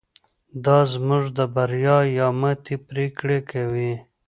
دا زموږ د بریا یا ماتې پرېکړه کوي.